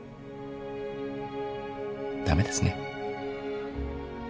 駄目ですね。